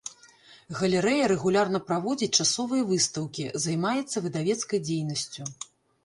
Галерэя рэгулярна праводзіць часовыя выстаўкі, займаецца выдавецкай дзейнасцю.